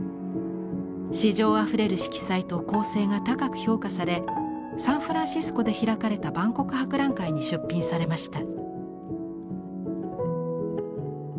詩情あふれる色彩と構成が高く評価されサンフランシスコで開かれた万国博覧会に出品されました。